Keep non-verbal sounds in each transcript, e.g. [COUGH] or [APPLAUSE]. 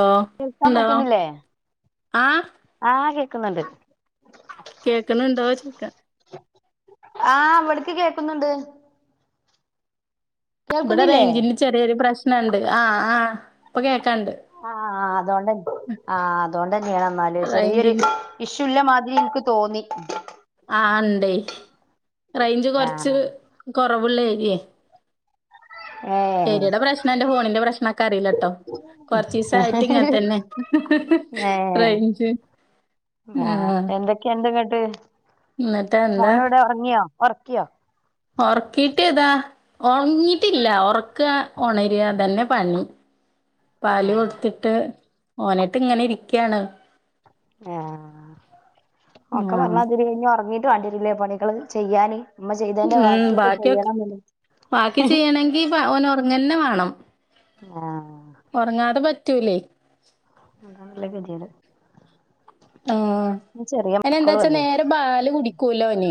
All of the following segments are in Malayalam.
ഓ കേക്കാൻ ഉണ്ടോ പറ്റുന്നില്ലേ ആഹ് കേ ക്കുന്നുണ്ട് കേക്കുണൂണ്ടോ ചോക്യാ ആ ഇവിടെക്ക് കേക്കുന്നുണ്ട് ഇവിടെ കേൾക്കുന്നില്ലേ റേഞ്ചിന്റെ ചെറിയ ഒരു പ്രശ് നോണ്ട് ആ ആ ഇപ്പൊ കേ ക്കണ്ട് അതൊണ്ട് ആ അതുകൊണ്ടന്നെയണ എന്നാല് ചെറിയൊരു റേഞ്ചിന് ഇഷ്യൂ ല്ലമാതിരി എനിക്ക് തോന്നി ആ ഉണ്ടേ റേഞ്ച് കൊറച്ച് ആഹ് കൊ പ്രവുള്ളേരിയാ ഏഹ് യെരിയടെ പ്രശ്നം എന്റെ ഫോണിന്റെ പ്രശ്നൊക്കെ അറിയില്ലട്ടോ കൊറച്ച ദിവസയിട്ട് ഇങ്ങനെ തന്നെ ഏഹ് റേഞ്ച് ആ ഉം മോനോടെ ഉറങ്ങിയോ ഉറക്കിയോ ഉറക്കിട്ട് താ ഉറങ്ങിട്ടില്ല ഉറക്കുക ഉണരുകതന്നെ പണി പാല് ആഹ് കൊടുത്തിട്ട് ഓനട്ട് ഇങ്ങനെ ഇരിക്കയാണ് ആ ഒക്കെ ആഹ് പറഞ്ഞ അതിരു കഴിഞ്ഞഞ് ഉറങ്ങി കണ്ടിട്ടില്ലേ പണികൾ ചെയ്യാന് അമ്മ ചെയ്തതിന്റെ ബാക്കിയൊക്കെ ചെയ്യണം എ [INAUDIBLE] ഓനൊറങ്ങ തന്നെ വേണം ആഹ് ഉറങ്ങാതെ പറ്റ് ട്ടു ലെ ആതമല്ല ഗതിയത് ആ എന്ന എന്താ വച്ചാ നേരെ പാല് കുടി കുലോന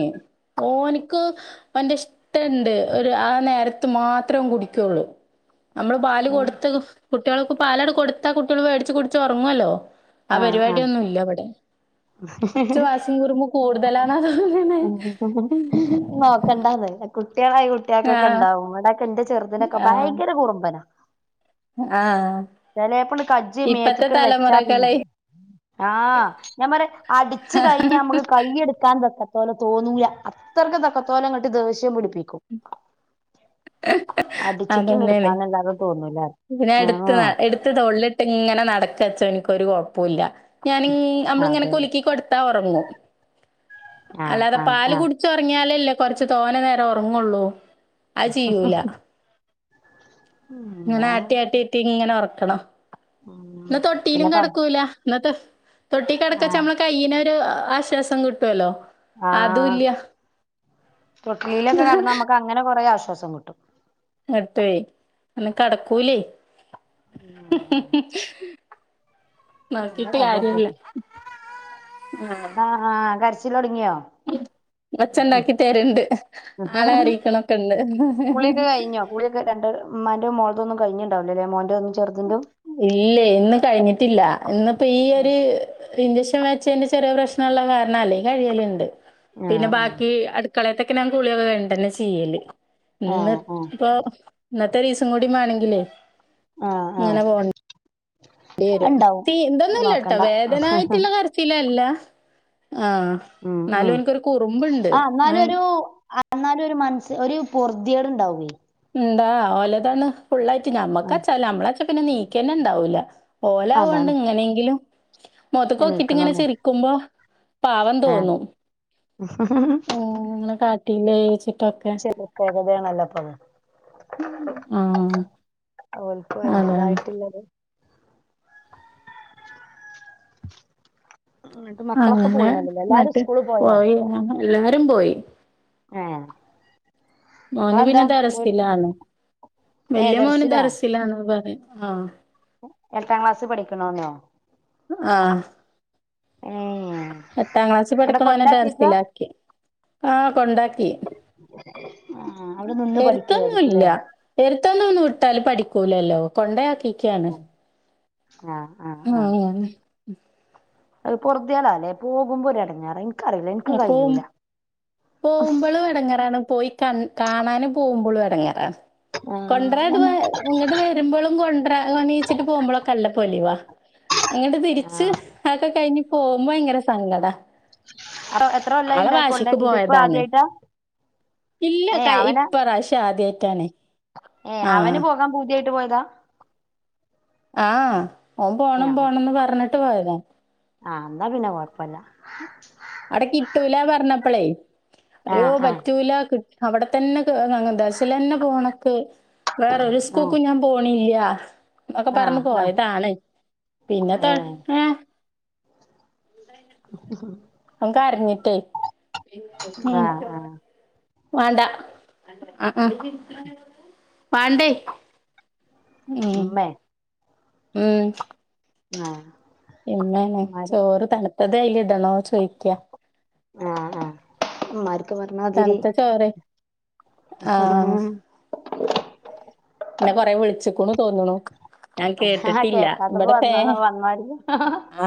ഓനിക്ക് എന്റെ ഇഷ്ടുണ്ട് ഒരു ആ നേരത്ത് മാത്രം കുടിക്കുള്ളു നമ്മള് പാല് കൊടുത്തു കുട്ടികൾക്ക് പാലട കൊടുത്താ കുട്ടികൾ മേടച്ച് കുടിച്ച് ഉറങ്ങുവല്ലോ ആ ആഹ് പരിപാടിയൊ ആഹ് ന്നും ഇല്ലവിട കൊറച്ചു വാശം കുറുമ്പ് കൂടുതലനണ് അതങ്ങനെ കുട്ടികളായി കുട്ടികൾക്കൊക്കെണ്ടാവുംവിടെക്കെ എന്റെചേ ചെറുതിനൊക്കെ ഭയങ്കര കുറുമ്പന ആ ഇപ്പത്തെ തലമുറകളെ ആ ഞാൻ പറ അടിച്ചു കഴിഞ്ഞ നമ്മുക്ക് കൈെടുക്കാൻ തക്കത്തോല തോന്നൂല അത്രക്കും തക്കത്തോലം കട്ട് ദേഷ്യം മുടി ടി ക്കും അതന്നേണു എടുക്കാന്നല്ലാതെ തോന്നൂല ഇതിനെ എടുത്ത് ആഹ് എടുത്ത് തൊള്ളിലിട്ട് ഇങ്ങനെ നടക്കച്ചോന് ഒരു കുഴപ്പോ ഇല്ല ഞാനി നമ്മളിങ്ങനെ അതന്നെ കുലുക്കി കൊടുത്താ ഒറ അങ്ങു ആഹ് അല്ലാതെ ആഹ് ആഹ് പാലുകുടിച്ച് ഉറങ്ങിയാലല്ലോ പറിച്ച് തോനെ നേരം ഉറങ്ങുള്ളൂ അതുചെയൂല ഇങ്ങനെ ആട്ടി ആട്ടിട്ടി ഇങ്ങനെ ഉറക്കും ആക്കണം ഉം ഇന്നു പിന്നെ തൊട്ടിയിലും പ കിടക്കൂല്ല ഇന്നത്തെ തൊട്ടി കിടക്കച്ച ആഹ് നമ്മെ കൈയിനെ ആശ്വാസം കിട്ടുവല്ലോ അതും ആഹ ഇല്ല തൊട്ടിലിയിലൊക്കെ കടന്ന് നമ്മുക്ക് അങ്ങനെ കൊറെേ ആശ്വാസം സം കുട്ടും എട്ടപയി അന്ന കടക്കൂലേ ഉം.... അതെ അതെ പോ ആഹ കരച്ചിൽ ചിലോടി ഓച്ച ഉണ്ടാക്കി തരുണ്ട് ആളെ അറിയിക്കണൊക്കെണ്ട് കുളിയൊക്കെ കഴിഞ്ഞണ്ടാവുല്ലേ മോന്റെ ഒന്നും ചെറുതിന്റെ ഇല്ലേ ഇന്ന് കഴിഞ്ഞിട്ട് പില്ല ഇന്നിപ്പോ ഈ ഒരു ഇൻജെക്ഷൻ വച്ചതിന്റെ ചെറിയ പ്രശ്നമുള്ള കാരണമല്ലേ ഈ കഴിയലിണ്ട് പിന്നെ ആഹ് ബാക്കി അടു കളയത്തൊകെയൊക്കെ കുളിയൊക്ക വേണ്ട തന്നെ ചെയ്യല് ആഹ് ആഹ് ഇന്നപ്പൊ ഇന്നത്തെരീസുംകൂടിമാേണെങ്കിലേ ആഹ ആഹ ഇടി വരും തി എന്തൊന്നുംല്ല കേട്ടോ നോക്കണ്ട വേദനായിട്ടുള്ള കരച്ചിൽ അല്ല ആഹ ഉം എന്നാലും ഉം എനിക്കൊരു കുറുമ്പുയുണ്ട് ആ എന്നാലും ഒരു എന്നാലും ഒരു മനസ് ഒരു പർതിയേട് ഉണ്ടാവേ എന്താ വലതാണ് ഫുള്ളായിട്ട് ആഹ് നമ്മക്കച്ച നമ്മളൊക്കെ പിന്നെ നീക്കന്നെ ഉണ്ടാവില്ല ഓലാവ കൊണ്ട് അതാണ് ഇങ്ങനെങ്കിലും മുഖത്തക്കൊക്കിട്ട് ഇങ്ങനെ എണീക്കണുള്ളൂ ചിരിക്കുമ്പോ പാവം ആഹ് തോന്നും ഉങ്ങനെ ന്ന ച [INAUDIBLE] ചരി [INAUDIBLE] തയാണല്ലപ്പഴ ആഹ് ഓൽക്കും അതാണ് അതിന്റേതായിട്ടുള്ളത് എന്നിട്ട് മക്കളൊക്കെ അങ്ങനെ പോയിണല്ലല്ലോ എല്ലാരും എന്നിട്ട് സ്കൂള് പോയോ പോയില്ല രും പോയി ആഹ് മോന് പിന്നെ ദറസിലണ് ഏ വല്യ മോനും ദർസിലോ ദറസിലാണ് പറയ ആഹ് എട്ടാം ക്ലാസ് പഠിക്കണോനൊ ആഹ് പത്താം ക്ലാസ് അവിടെ പഠിക്കണോനെ കൊണ്ടാക്കിക്ക ദർസിലാക്കി. ആഹ് കൊണ്ടാക്ക് ക്കാ ആ അവിടെ നിന്ന് എരത്തൊന്നുല്ല പഠിക്കായിരിക്കുംല്ലേ എരത്തുന്നു വിട്ടാല് പഠി സ കൂലല്ലോ കൊണ്ടോയാക് ഇക്കിക്കാണ് ആഹ് ഉം ഉം അത് പൊറുതിയേളാ അല്ലേ പോകും. മ്പോ ഒരു എടങ്ങാറാ ഇൻക് ഇൻക്കറിയൂല്ല ഇൻക്ക് കഴിയൂല. പോംമ്പളും എടങ്ങേറാണ് പോയി കൺ കാണാനും പോംമ്പളും എടങ്ങേറാണ് ആ കൊണ്ട്രാട് ഞമ്മ വ ഇങ്ങട്ട് വരുമ്പളും കൊണ്ട്രാ അണീച്ചിട്ട് പോകുംമ്പളൊക്കെ നല്ല പൊലിവാ അങ്ങട്ട് ആ തിരിച്ച് അതൊക്കെ കഴിഞ്ഞ് പോവുംമ്പോ ഭയങ്കര സങ്കടാ അ എത്ര കൊല്ലായി ഇണ്ടായിക്കോണ്ടെ ക്ക് പോയതാണ് ഇല്ല ഏ കഴി അവനാ ഇപ്രാവിശ്യ ആദ്യായിട്ടാണ് ആഹ് ട്ട് പോയതാ ആഹ് ഓൻ പോണം പോണംന്ന് പറഞ്ഞ് ട്ട് പോയത ആഹ് ന്നാ പിന്നെ കൊഴപ്പല്ല അടെ കിട്ടൂലാ പറഞ്ഞപ്പളേ ആ അയ്യോ ആ പറ്റൂല ക് അവടെ തന്നെ കേറാണ് ദശ് ലെന്നെ പോണക്ക് വേറൊരു ആ സ്കൂക്കും ഞാൻ പോണില്ല ആഹ് അഒക്കെ ആ പറന്ന് ആ പോയതാണ് പിന്നെ ത ഏ ഏഹ് അവൻ കരഞ്ഞിട്ടേ ആഹ് ആഹ് വാണ്ടാ വാണ്ടേ ഉം ഉമ്മേ ഉം ആഹ് എങ്ങനെ ഇമ്മാര് ചോറ് തണുപ് അതെ അയ്ലേണ് ണോ ചോദിക്ക ആഹ് ആഹ് മരു തണുത്ത ചോറെ എന്നെ കൊറെ വിളിച്ചിക്കുണു തോന്നുണു ഞാൻ ആഹ് കേട്ടിട്ടില്ല കേക്കാത്തപ്പോ ഇവിടത്തെ വന്നതാ വന്നോര്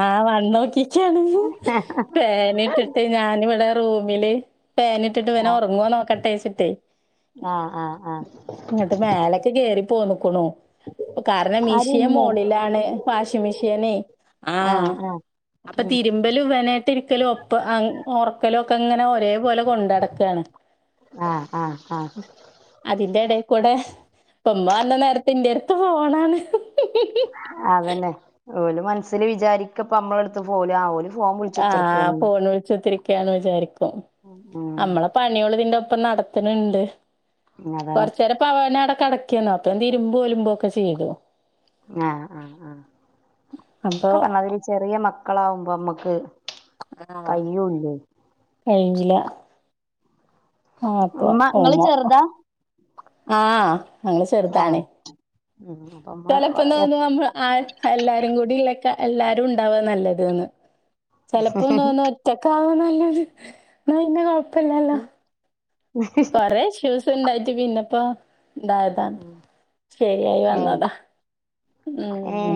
ആഹ് വന്നോ [UNINTELLIGIBLE] പേന ഇട്ടിട്ട് ഞാനിവിടെ റൂമില് പേനിട്ടിട്ട് ഇവന് ഉറങ്ങുവൊ നോക്കട്ടെച്ചിട്ടേ ആഹ് ആഹ് ആഹ് ആഹ് ഇങ്ങിട്ട് മേല പ്പോന്ന്ക്കണൂ കാരണം ആര് മിഷീൻ ഇമ്മേ മോളിലാണ് വാഷിങ് മെഷീനേ ആഹ് അപ്പൊ ഉം തിരുമ്പലും ഇവനായിട്ട് ഇരിക്കലും ഒപ്പ ഒറക്കലും ഒക്കെ ഇങ്ങനെ ഒരേപോലെ കൊണ്ടടക്കാണ് ആഹ് ആഹ് ആഹ് അതിന്റെ ഇടേക്കൂടെ അപ്പ ഉമ്മ വന്ന നേരത്തെ ഇൻ്റെടുത്ത് ഫോണാണ് മനസ്സിൽ വിചാരിക്കപ്പ നമ്മളെടുത്ത് പോല ഓലും ആഹ് ഫോണ് വിളിച്ച കുത്തിരി കാന്ന് വിചാരിക്കും ഉം നമ്മളെ പണിയൊള് ഇതിന്റെ ഇപ്പൊ നടത്തണിണ്ട് അതാണ് കൊറച്ച് നേരം പവന അവിടെ കിടക്കേനു [UNINTELLIGIBLE] തിരുമ്പോ വലുമമ്പോ ഒക്കെ ചെയ്തോ ആഹ് ആ ആ അപ്പൊ ഒക്കെ പറഞ്ഞാതിരി ചെറിയ മക്കളാവും മ്പൊമ്മക്ക് ആഹ് കഴിഞ്ഞില്ല ആഹ് ഇപൊ ഇമ്മ ഇങ്ങള് കഴിഞ്ഞു ചെറുതാ ആഹ് അങ്ങെ ചെറുതാാണ് ആഹ് ഉം അപ്പ ഇമ്മ ചിലപ്പോ തോന്നുന്നു നമ്മ എല്ലാരും കൂടില്ല എല്ലാരും ഉണ്ടവാ നല്ലത്ന്ന് ചെിലപ്പോ തോന്നുന്നു ഒറ്റക്ക ആകന്നല്ലന്ന് എന്ന പിന്നെ കൊഴപ്പില്ലല്ലോ കേ ഹ്യസ് ണ്ടായിട്ട പിന്നപ്പ ഇതായതാ ശരിയായി ഏഹ് വന്നതാ ഏ ഉ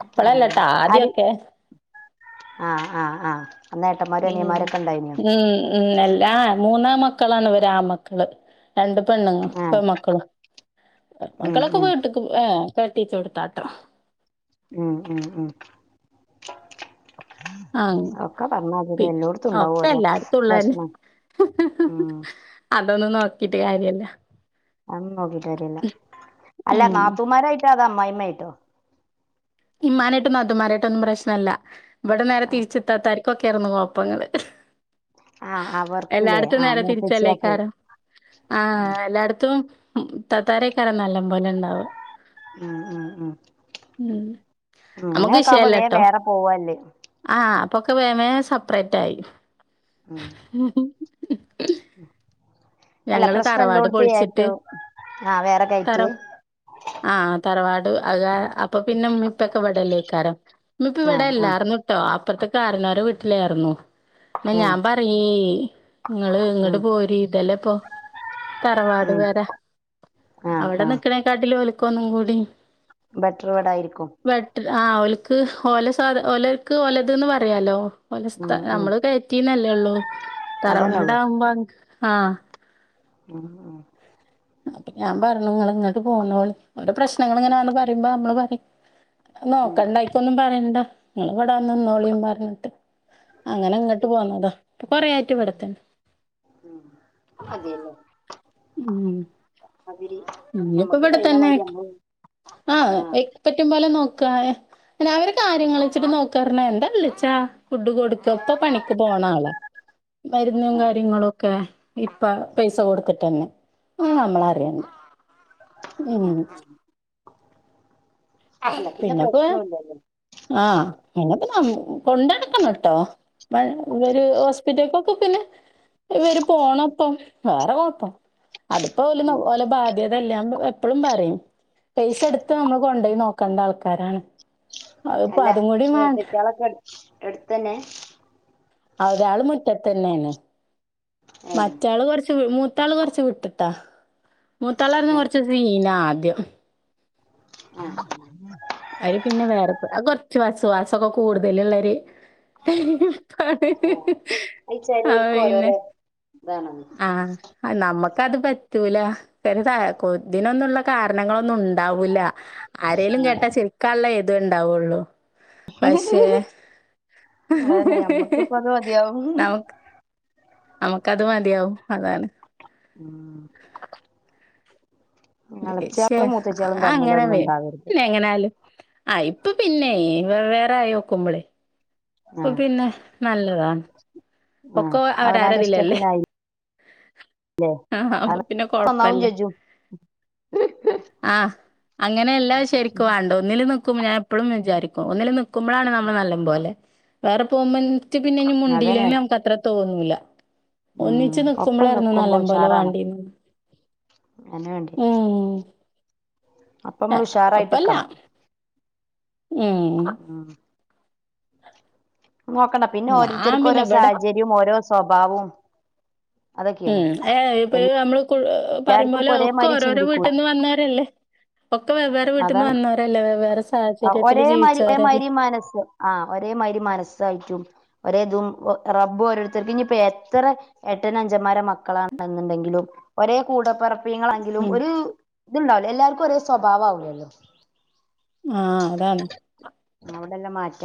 കപ്പളല്ലട്ടാ ആദ്യൊക്കെ ആഹ ആഹ് ആഹ ഉം ഉം ഉ എല്ലാ മൂന്നാ മക്കളാണ്വര് ആ മക്കള് രണ്ട് പെണ്ണു ആ ഇപ്പൊ മക്കളും ഉം മക്കളൊക്കെ ഉം പോയിട്ടക്ക് ഏ തട്ടിച്ച കൊടുത്താട്ടോ ഉം ഉം ഉം ആഹ ഒക്കെ പറഞ്ഞാതിരി പി എല്ലോടത്തും ഉണ്ടാവും ഒക്കെ ഓരോ എല്ലായിടത്തുംള്ള പ്രശ്നം ഉം അതൊന്നും നോക്കിട്ട് കാര്യല്ലേ ആ നോക്കിട്ട്രില്ല അല്ല ഉം നാപ്പൂമാരായിട്ട് അത അമ്മായി ട്ടോ ഇ്മാനായിട്ടൊന്നും അത്മാരായിട്ടൊന്നും പ്രശ്നമല്ല ഇവിടെ നേരെ തിരിച്ചെത്താത്താർ ഒക്കെയായിരുന്നു പോപ്പങ്ങള് ആ അവർക്കില്ലേ എല്ലായിടത്തും ആ നേരെ മൂത്തച്ചിയാക്ക് തിരിച്ചല്ലേക്കാരോ ആഹ എല്ലായിടത്തും ഉ തത്താരക്കറ നല്ല പോലെ ഉണ്ടാവ ഉം ഉ ഉ ഉ ഉം നമുക്ക് അങ്ങനെയൊക്ക ആാവുമ്പോ വേറെ വിഷയല്ലട്ടോ വേറെ പോവല്ലേ ആ അപ്പൊക്കെ വേമേ സെപ്പറേറ്റ് ആയി ഉ [UNINTELLIGIBLE] ഉം [UNINTELLIGIBLE] അല്ല ഞങ്ങള് പ്രശ്നല്ലാം തറവാട് പൊളിച്ചിട്ട് കൊടുത്തയറ്റു ആഹ വേറെ തറ കയറ്റ് ആഹ് തറവാട് അക അപ്പൊ പിന്നെ മപ്പക്കെ പടല്ലേക്കാരം ഇിപ്പ ആ ഇവിടെയല്ല ആ ഇറന്നിട്ടോ അപ്പറത്തെ കാരനോരെ വീട്ടിലായിരുന്നു അ ആ ഞാൻ പറ നിങ്ങള് ഉം ഇങ്ങോട്ട് പോര് ഇതെല്ല ഇപ്പൊ തറവാട് ഉം വരാ ആ അവിടെ ആ നിിക്കണേ കടിൽ പോലിക്കോന്നും കൂടി ബെട്ടർ വേഡ ആയിരിക്കും ക്ക് ഓല സാധ ഓലർക്ക് ഓലതന് പറയാലോ. ഓന്റസ്ഥ ഉം ഉം നമ്മള് കയറ്റീ ഉള്ളോ. അതന്നെ ഉള്ളു തറവാട് ആവുമ്പോ ആ ഉം ഉ അപ്പൊ ഞാൻ പറഞ്ഞു നിങ്ങൾ ഇങ്ങോട്ട് പോന്നോളി അവടെ പ്രശ്നങ്ങൾ ഇങ്ങനെന്ന് പറയുമ്പോ നമ്മള് പറയും ഉം നോക്കണ്ടായിക്കൊന്നും പറയണ്ട. നിങ്ങള് ഇവിടെ വന്ന് നിന്നോളി പറഞ്ഞിട്ട് അങ്ങനെ ഇങ്ങോട്ട് പോന്നതാ ഇപ്പൊ കൊറേ ആയിട്ട് ഇവിടെ തന്നെ. ഉം അതേല്ലേ. ഉ ഇനിപ്പോ ഞമ്മക്ക് ഇവിടെ കഴിയണ തന്നെ മാതിരി നമ്മള് ആ ആഹ് പറ്റുമ്പോ നോക്ക അവര് കാര്യങ്ങൾ വെച്ചിട്ട് നോക്കാറുന്ന എന്താ വിളിച്ചാ ഫുഡ് കൊടുക്കപ്പൊ പണിക്ക് പോണ ആള മരുന്നും ആഹ് കാര്യങ്ങളും ഒക്കെ ഇപ്പൊ പൈസ കൊടുത്തി തന്നെ. ആ നമ്മളറിയണ്ട ഉം ആഹ് അല്ല പിന്നെ പിന്നെപ്പോ പ്രശ്നം ഇല്ലല്ലോ ആഹ് പിന്നെ പി കൊണ്ടടക്കണം കേട്ടോ ഇപ്പ ഇവര് ഹോസ്പിറ്റലക്കൊക്കെ പിന്നെ ഇവര് പോണപ്പം വേറെ കൊഴപ്പം ഉം അതിപ്പോല ബാധ്യത അല്ലെ അപ്പളും പറയും പൈസ എടുത്ത് നമ്മള് കൊണ്ടോയി നോ കാരാണ്. അല്ല മൂപ്പറ്റയാളൊക്കെ എടുത്തന്നെ ഒരാള് മുറ്റത്തന്നെയാണ്. ഏഹ് മറ്റാള് കോർച്ച് മു താൾ കുറച്ച് വിട്ടിട്ടാ മൂത്താലർന്നും ആഹ് കുറച്ച് സീന ആദ്യം ആഹ് അവര് പിന്നെ വേറെ കൊറച്ച് വസവാസൊക്കെ കൂടുതല് ള്ളരു ആഹ് അത് അ ചെലോൽക്ക് പിന്നെ ഓരോരോ ഇതാണല്ലോ ആഹ് നമ്മക്ക് അത് പറ്റൂല വ കൊതിനൊന്നുള്ള കാരണങ്ങളൊന്നും ഉണ്ടാവൂല്ല. ആഹ് കള്ള ഏതു ഉണ്ടാവുള്ളൂ. പക്ഷേ അതന്നെ ഞമ്മക്കിപ്പ അത് മതിയാവും നമുക്ക് അത് മതിയാവും അതാണ് ഉം ച്ചേ ഇളച്ചിയാളും മൂത്തച്ചിയാളും അങ്ങനെ തമ്മിലൊന്നും വേ ഉണ്ടാവരുത് പിന്നെ എങ്ങനെയാലും ആയി ഇപ്പ പിന്നെ വേറെ വേറെ ആയോക്കുമ്പെളെ ഇപ്പ ആഹ് പിന്നെ നല്ലതാണ് ആഹ് ഒക്ക്വ അവനാന്റെ അവരരാതില്ലല്ലേ ഇഷ്ടത്തിനായി ആഹ് അപ്പൊ പിന്നെ ഒപ്പം ഒന്നാവും കൊഴപ്പല്ല ചെജ്ജും ആഹ് അങ്ങനെ എല്ലാം ശെരിക്കും വാണ്ടെ ഒന്നില് നി ക്കും ഞാൻ എപ്പളും വിചാരിക്കും ഒന്നില് ക്കുമ്പളാണ് നമ്മള് നല്ല മ്പോലെ വേറെ പോമ്മെൻ ഇച്ച് പിന്നെ ഇനി അതന്നെ മുണ്ടീല്ലെങ്കി അത്ര തോന്നൂല്ല ഒന്നിച്ച് ഉം ഒപ്പം നിക്കുമ്പോളായിരുന്നു നല്ല നിക്കുമ്പോ പോലെ ഉഷാറാണ് വാണ്ടീന്ന് അയിന് വേണ്ടി ഉം അപ്പൊ ആ നമ്മൾ ഉഷാറായിട്ട് കൊഴപ്പല്ല. നിക്കണം ഉം നോക്കണ്ട പിന്നെ ഞാൻ ഓരോരുത്തർക്കും പിന്നെ ഓരോ ഇവിടെ സാഹചര്യവും ഓരോ സ്വഭാവവും അതൊക്കെയാണ് ഉം ഏ ഇപ്പൊ നമ്മള് കുർ പറയും എല്ലാർക്കും പോലെ ഇപ്പൊ ഒക്കെ ഒരേമാതിരി ഓരോരോ ചിന്തിക്കൂല വീട്ടിന്ന് വന്നവരല്ലേ ഒക്കെ വെവ്വേറെ വീട്ടിന്ന് അതാണ് വന്നവരല്ലേ വേവ്വേറെ സാഹചര്യത്തില് ഒരേമാതിരി ജീവിച്ചവരല്ലേ? ഒരേമാതിരി മനസ്സ് ഒരേതും റബ്ബും ഓരോരുത്തർക്കും ഇനി ഇപ്പ എത്ര എട്ടൻ അഞ്ചന്മാരെ മക്കളാണ് എന്നുണ്ടെങ്കിലും ഒരേ കൂടപ്പെറപ് നിങ്ങളാണെങ്കിലും ഉം ഒരു ഇതുണ്ടാവില്ലേ? എല്ലാർക്കും ഒരേ സ്വഭാവാവൂല്ലല്ലോ ആഹ് അതാണ് അവിടെല്ലാം മാറ്റി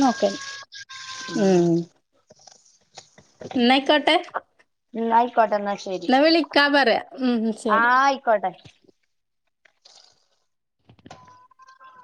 നോക്കൽ ഉം ന്ന അയ്ക്കോട്ടെ ഉം ആയി ആയിക്കോട്ടെ എന്നാ ശരി പറയാ ഉം ആ ശരി ആയിക്കോട്ടെ